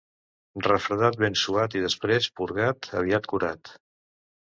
Refredat ben suat i després purgat, aviat curat.